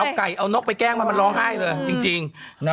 เอาไก่เอานกไปแกล้งมันร้องไห้เลยจริง